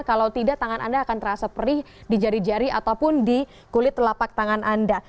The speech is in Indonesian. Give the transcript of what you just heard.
kalau tidak tangan anda akan terasa perih di jari jari ataupun di kulit telapak tangan anda